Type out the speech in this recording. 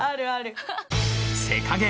「セカゲー！」